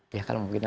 dia akan mungkin